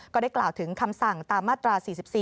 ก็ได้กล่าวถึงคำสั่งตามมาตรา๔๔